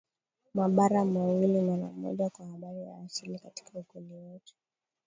mabara mawili mara moja Kwa habari ya asili katika Ukweli wetu